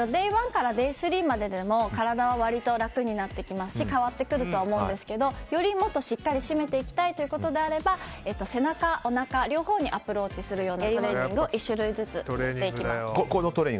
ＤＡＹ１からＤＡＹ３でも体は割と楽になってきますし変わってくると思うんですがより、しっかり締めていきたいということであれば背中、おなか両方にアプローチするようなトレーニングを１種類ずつやっていきます。